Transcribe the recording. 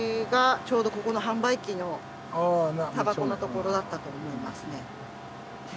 ちょうどここの販売機のああたばこの所だったと思いますね